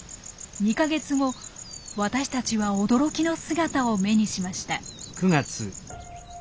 ２か月後私たちは驚きの姿を目にしました。